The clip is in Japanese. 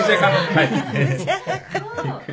はい。